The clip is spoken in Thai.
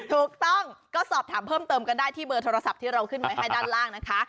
ถูกต้องก็สอบถามเพิ่มเติมกันได้ที่เบอร์โทรศัพท์ที่เราขึ้นไว้ให้ด้านล่างนะคะ